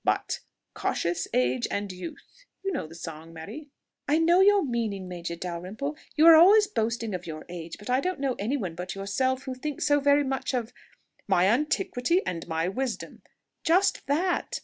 But "Cautious age and youth.... you know the song, Mary?" "I know your meaning, Major Dalrymple: you are always boasting of your age; but I don't know any one but yourself who thinks so very much of...." "... My antiquity and my wisdom." "Just that....